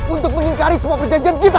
untuk mengingkari semua perjanjian kita